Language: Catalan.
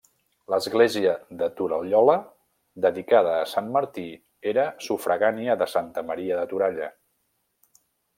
L'església de Torallola, dedicada a sant Martí, era sufragània de Santa Maria de Toralla.